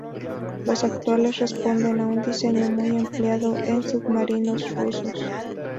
Los actuales responden a un diseño muy empleado en submarinos rusos.